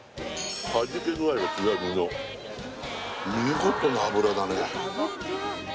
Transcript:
はじけ具合が違う身の見事な脂だね